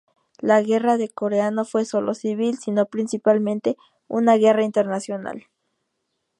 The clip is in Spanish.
La guerra de Corea no fue solo civil, sino principalmente, una guerra internacional.